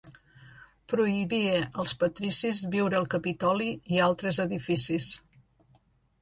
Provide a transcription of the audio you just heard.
Prohibia als patricis viure al Capitoli i altres edificis.